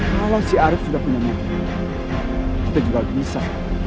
kalau si arief sudah punya kita juga bisa